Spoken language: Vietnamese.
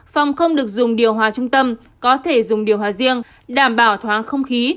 phòng không được dùng điều hòa trung tâm có thể dùng điều hòa riêng đảm bảo thoáng không khí